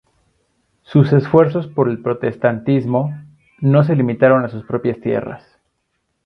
Sus esfuerzos por el protestantismo no se limitaron a sus propias tierras.